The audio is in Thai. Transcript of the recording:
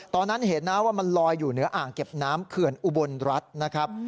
ตอนนั้นเห็นนะว่ามันลอยอยู่เหนืออ่างเก็บน้ำเขื่อนอุบลรัฐนะครับ